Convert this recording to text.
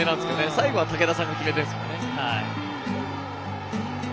最後は武田さんが決めたんですが。